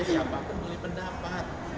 siapapun boleh pendapat